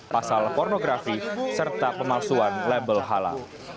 pasal pornografi serta pemalsuan label halal